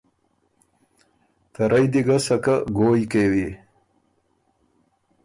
ته رئ دی ګه سکه ګویٛ کېوی۔